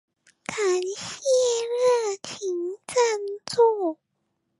感謝熱情贊助